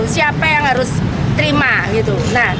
siapa yang harus terima gitu